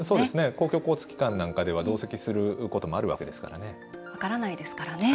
公共交通機関なんかでは同席することもあるわけですからね。